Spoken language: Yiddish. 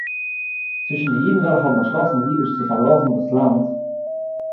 צווישן די אידן וועלכע האָבן באַשלאָסן ליבערשט צו פאַרלאָזן דאָס לאַנד